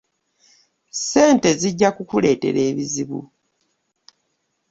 ssente zigya kukuleetera ebizibu.